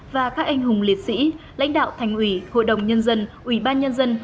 và các anh hùng liệt sĩ lãnh đạo thành ủy hội đồng nhân dân ủy ban nhân dân